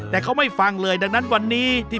แต่เขาไม่ฟังเลยดังนั้นวันนี้ที่